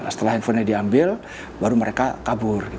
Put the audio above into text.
setelah handphonenya diambil baru mereka kabur